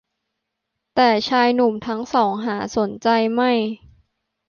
แต่ชายหนุ่มทั้งสองหาสนใจไม่